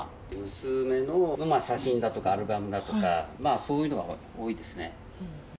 娘の写真だとか、アルバムだとか、そういうのが多いですね。